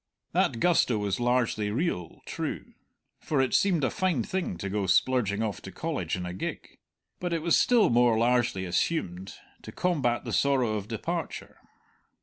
That gusto was largely real, true, for it seemed a fine thing to go splurging off to College in a gig; but it was still more largely assumed, to combat the sorrow of departure.